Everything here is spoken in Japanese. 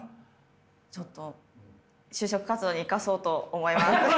ちょっと就職活動に生かそうと思います。